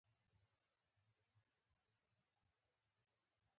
که یو ځلی قات شي بېرته لومړني حالت ته نه را گرځي.